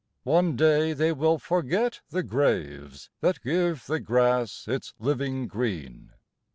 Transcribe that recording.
One day they will forget the graves That give the grass its li ving green.